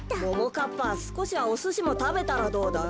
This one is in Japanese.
かっぱすこしはおすしもたべたらどうだい？